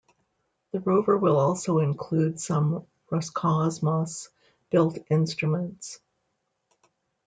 The rover will also include some Roscosmos built instruments.